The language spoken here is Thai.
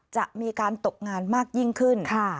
จะมีการตกงานมากยิ่งขึ้น